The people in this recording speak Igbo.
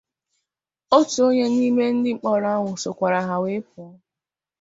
otu onye n'ime ndị mkpọrọ ahụ sokwàrà ha wee pụọ